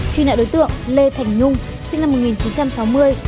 truy nã đối tượng lê thành nhung sinh năm một nghìn chín trăm sáu mươi